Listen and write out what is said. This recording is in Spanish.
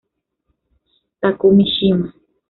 Takumi Shima